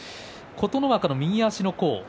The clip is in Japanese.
琴ノ若の右足の甲、翠